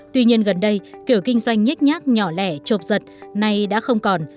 tuy nhiên gần đây kiểu kinh doanh nhét nhát nhỏ lẻ trộp giật này đã không còn